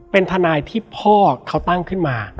เป็นทนายที่พ่อเขาตั้งขึ้นมา